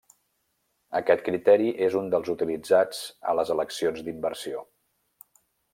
Aquest criteri és un dels utilitzats a les eleccions d'inversió.